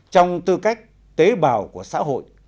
trong tư cách tế bào của xã hội